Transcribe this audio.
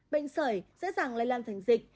bệnh sời dễ dàng lây lan thành dịch